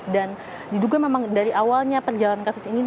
dan diduga memang dari awalnya perjalanan kasus ini